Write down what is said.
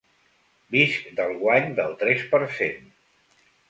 Visc del guany del tres per cent.